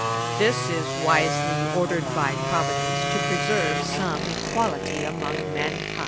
This is wisely ordered by Providence, to preserve some equality among mankind.'